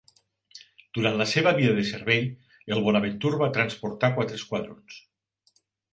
Durant la seva vida de servei, el "Bonaventure" va transportar quadre esquadrons.